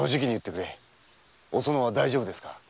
おそのは大丈夫ですか？